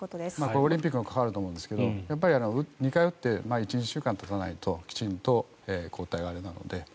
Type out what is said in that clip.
オリンピックにも関わると思いますが２回打って１２週間たたないときちんと抗体が、あれなので。